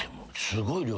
すごい量。